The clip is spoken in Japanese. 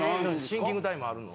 シンキングタイムあるの？